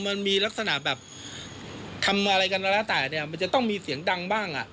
มันมีลักษณะแบบทำอะไรกันก็แล้วแต่เนี่ยมันจะต้องมีเสียงดังบ้างอ่ะ